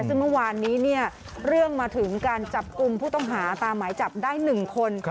ซึ่งเมื่อวานนี้เรื่องมาถึงการจับกลุ่มผู้ต้องหาตามหมายจับได้๑คน